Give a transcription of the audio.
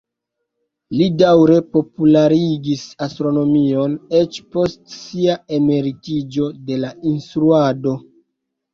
Li daŭre popularigis astronomion eĉ post sia emeritiĝo de la instruado.